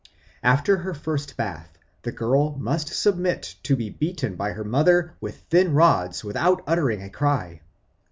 After her first bath, the girl must submit to be beaten by her mother with thin rods without uttering a cry.